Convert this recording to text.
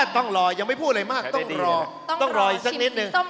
ต้องรอยังไม่พูดอะไรมากต้องรอต้องรออีกสักนิดนึง